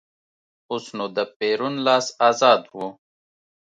اوس نو د پېرون لاس ازاد و.